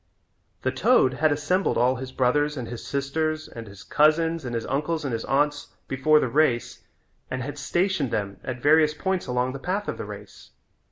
The toad had assembled all his brothers and his sisters and his cousins and his uncles and his aunts before the race and had stationed them at various points along the path of the race.